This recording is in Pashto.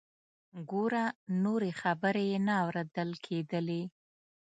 ګوره…. نورې خبرې یې نه اوریدل کیدلې.